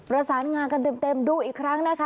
รักษานงานเต็มดูอีกครั้งนะคะ